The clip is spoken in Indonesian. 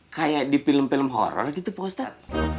kayak di film film horror gitu paustat